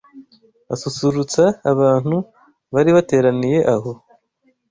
asusurutsa abantu bari bateraniye aho